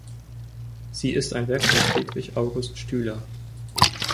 Sie ist ein Werk von Friedrich August Stüler.